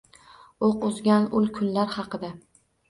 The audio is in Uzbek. Oʻq uzgan ul kunlar haqida.